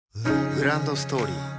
グランドストーリー